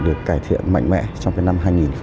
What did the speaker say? được cải thiện mạnh mẽ trong cái năm hai nghìn một mươi chín